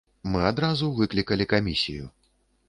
Мы адразу выклікалі камісію.